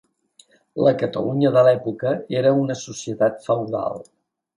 La Catalunya de l'època era una societat feudal.